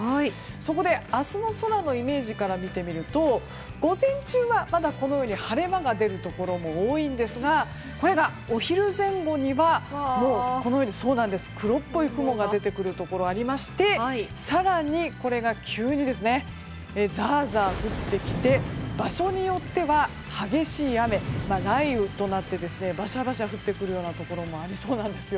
そこで、明日の空のイメージから見てみると午前中はまだこのように晴れ間が出るところも多いんですがこれが、お昼前後にはもう、黒っぽい雲が出てくるところがありまして更に、これが急にザーザー降ってきて場所によっては激しい雨、雷雨となってバシャバシャ降ってくるところもありそうなんですよ。